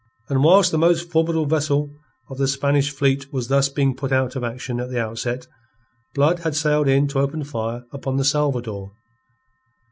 And whilst the most formidable vessel of the Spanish fleet was thus being put out of action at the outset, Blood had sailed in to open fire upon the Salvador.